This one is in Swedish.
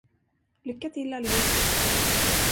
Lycka till, allihop.